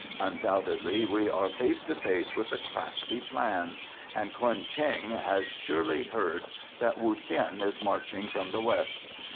Undoubtedly we are face to face with a crafty plan, and Ko'en Cheng has surely heard that Wu Sien is marching from the west.